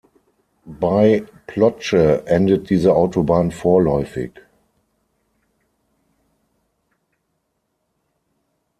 Bei Ploče endet diese Autobahn vorläufig.